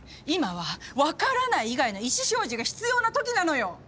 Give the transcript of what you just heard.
今は「わからない」以外の意思表示が必要なときなのよ！